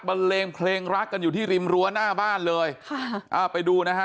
เลงเพลงรักกันอยู่ที่ริมรั้วหน้าบ้านเลยค่ะอ่าไปดูนะฮะ